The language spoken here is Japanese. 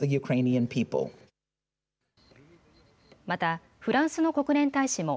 また、フランスの国連大使